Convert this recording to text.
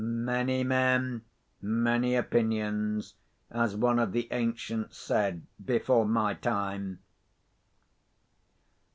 Many men, many opinions, as one of the ancients said, before my time.